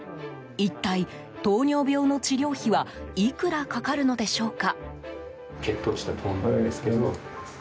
一体、糖尿病の治療費はいくらかかるのでしょうか。